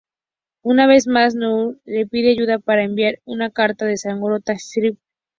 Una vez más, Northup le pide ayuda para enviar una carta a Saratoga Springs.